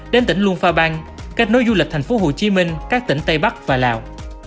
đến tỉnh luân pha bang cách nối du lịch thành phố hồ chí minh các tỉnh tây bắc và lào